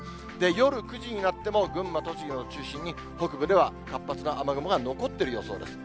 夜９時になっても群馬、栃木を中心に北部では活発な雨雲が残ってる予想です。